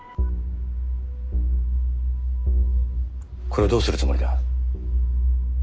これをどうするつもりだ？